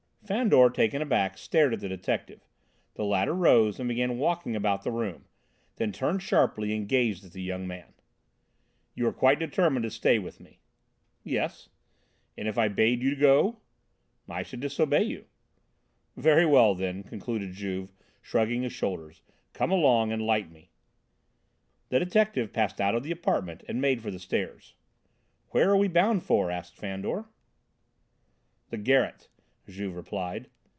Fandor, taken aback, stared at the detective. The latter rose and began walking about the room, then turned sharply and gazed at the young man: "You are quite determined to stay with me?" "Yes." "And if I bade you go?" "I should disobey you." "Very well, then," concluded Juve, shrugging his shoulders, "come along and light me." The detective passed out of the apartment and made for the stairs. "Where are we bound for?" asked Fandor. "The garret," Juve replied.